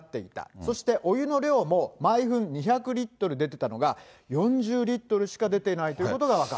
そしてお湯の量も毎分２００リットル出てたのが、４０リットルしか出ていないということが分かっ